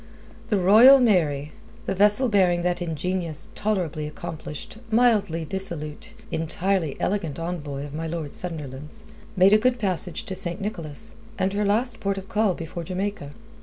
The Royal Mary the vessel bearing that ingenious, tolerably accomplished, mildly dissolute, entirely elegant envoy of my Lord Sunderland's made a good passage to St. Nicholas, her last port of call before Jamaica.